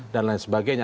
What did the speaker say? dan lain sebagainya